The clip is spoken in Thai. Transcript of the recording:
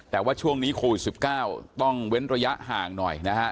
แต่ว่าช่วงนี้โควิด๑๙ต้องเว้นระยะห่างหน่อยนะฮะ